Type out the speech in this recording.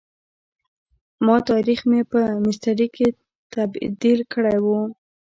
ما تاریخ مې په میسترې کي تبد یل کړی وو.